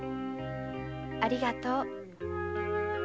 ありがとう。